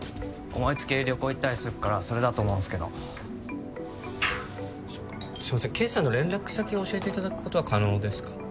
思いつきで旅行行ったりすっからそれだと思うんすけどそっかすいませんＫさんの連絡先教えていただくことは可能ですか？